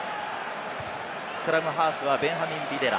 スクラムハーフはベンハミン・ビデラ。